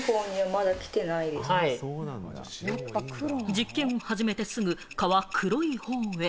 実験を始めてすぐ、蚊は黒い方へ。